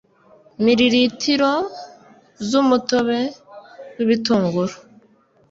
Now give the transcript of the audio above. mililitiro(ml) z'umutobe w'ibitunguru